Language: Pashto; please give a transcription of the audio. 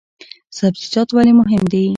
سبزیجات ولې مهم دي؟